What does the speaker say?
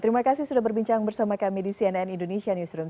terima kasih sudah berbincang bersama kami di cnn indonesia newsroom